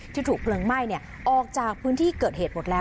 ถูกเพลิงไหม้ออกจากพื้นที่เกิดเหตุหมดแล้ว